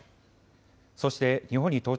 そして日本に到着